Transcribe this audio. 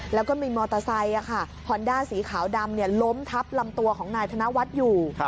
แล้วก็มีมอเตอร์ไซค์ฮอนด้าสีขาวดำล้มทับลำตัวของนายธนวัฒน์อยู่